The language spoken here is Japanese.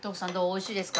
美味しいですか？